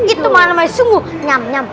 itu mengalami sungguh nyam nyam